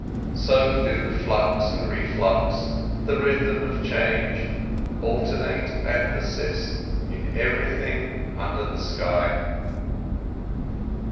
So do flux and reflux—the rhythm of change—alternate and persist in everything under the sky.